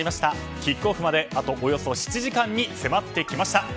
キックオフまでおよそ７時間に迫ってきました。